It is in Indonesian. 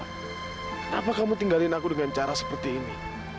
kenapa kamu tinggalin aku dengan cara seperti ini